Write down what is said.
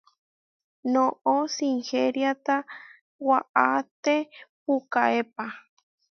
Noʼó sinheriáta waʼáte pukaépa.